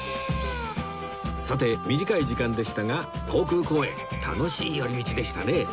さて短い時間でしたが航空公園楽しい寄り道でしたね